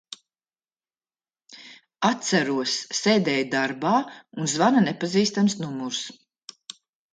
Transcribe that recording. Atceros, sēdēju darbā un zvana nepazīstams numurs.